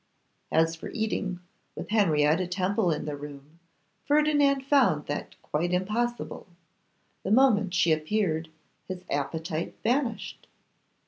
As for eating, with Henrietta Temple in the room, Ferdinand found that quite impossible. The moment she appeared, his appetite vanished.